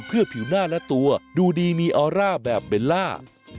เพื่อผิวหน้าและตัวดูดีมีออร่าแบบเบลล่า